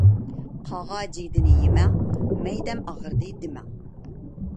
قاغا جىگدىنى يىمەڭ، مەيدەم ئاغرىدى دىمەڭ.